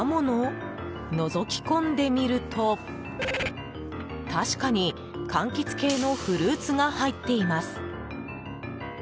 のぞき込んでみると確かに、柑橘系のフルーツが入っています。